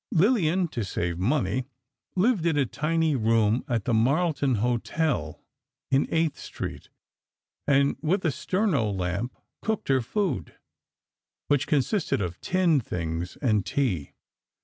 Lillian, to save money, lived in a tiny room at the Marlton Hotel, in 8th Street, and with a Sterno lamp, cooked her food, which consisted of tinned things and tea.